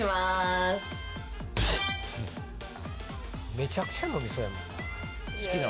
めちゃくちゃ飲みそうやもんな。